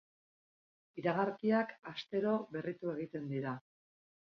Iragarkiak astero berritu egiten dira.